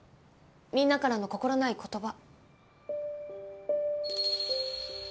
みんなからの心ない言葉。